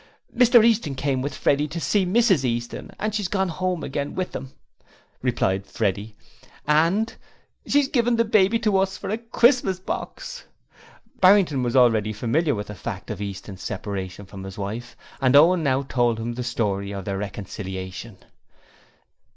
'Mr Easton came with Freddie to see Mrs Easton, and she's gone home again with them,' replied Freddie, 'and she's given the baby to us for a Christmas box!' Barrington was already familiar with the fact of Easton's separation from his wife, and Owen now told him the Story of their reconciliation.